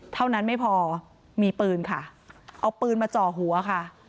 เท่านั้นไม่พอมีปืนค่ะเอาปืนมาจ่อหัวค่ะ